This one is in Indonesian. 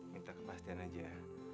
minta kepastian aja